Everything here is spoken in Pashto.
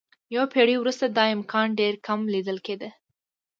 یوه پېړۍ وروسته دا امکان ډېر کم لیدل کېده.